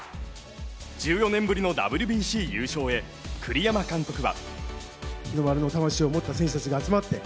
１４年ぶりのＷＢＣ優勝へ栗山監督は。